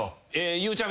ゆうちゃみ